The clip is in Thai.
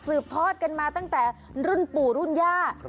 ทอดกันมาตั้งแต่รุ่นปู่รุ่นย่า